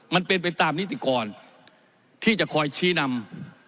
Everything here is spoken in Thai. มันเป็นไปตามนิติกรที่จะคอยชี้นำ